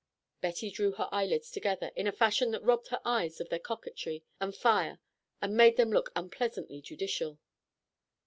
Betty drew her eyelids together in a fashion that robbed her eyes of their coquetry and fire and made them look unpleasantly judicial.